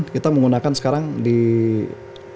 kita menggunakan sekarang di indonesia